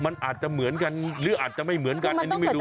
มันอาจจะเหมือนกันหรืออาจจะไม่เหมือนกันอันนี้ไม่รู้